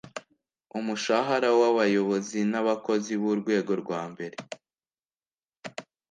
Umushahara w abayobozi n abakozi b Urwego rwambere